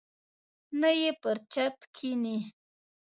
نه یې پر چت کښیني.